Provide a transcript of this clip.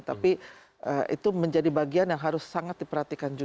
tapi itu menjadi bagian yang harus sangat diperhatikan